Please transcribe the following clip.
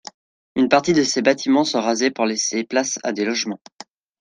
Une partie de ses bâtiments sont rasés pour laisser la place à des logements.